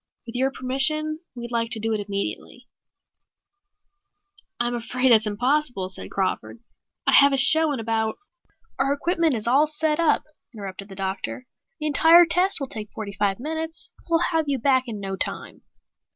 With your permission, we'd like to do it immediately." "I'm afraid that's impossible," said Crawford. "I have a show in about " "Our equipment is all set up," interrupted the doctor. "The entire test will take forty five minutes. We'll have you back in no time."